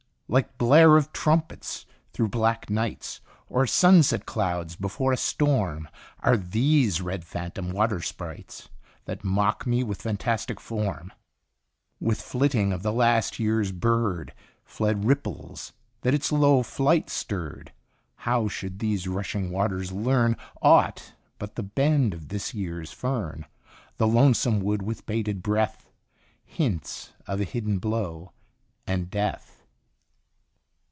Like blare of trumpets through black nights Or sunset clouds before a storm Are these red phantom water sprites That mock me with fantastic form ; With flitting of the last year's bird Fled ripples that its low flight stirred 28 2tn Itinerant How should these rushing waters learn Aught but the bend of this year's fern? The lonesome wood, with bated breath, Hints of a hidden blow and death!